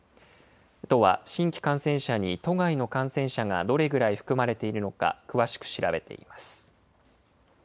都は新規感染者に都外の感染者がどれぐらい含まれているのか詳しく調べています。